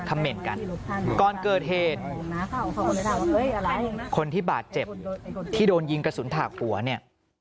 เหม็นกันก่อนเกิดเหตุคนที่บาดเจ็บที่โดนยิงกระสุนถากหัวเนี่ย